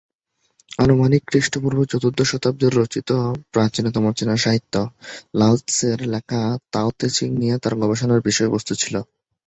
আনুমানিক খ্রিস্টপূর্ব চতুর্থ শতাব্দীতে রচিত প্রাচীনতম চিনা সাহিত্য, লাওৎসে-র লেখা ‘তাও-তে-চিং’ নিয়ে তার গবেষণার বিষয়বস্তু ছিল।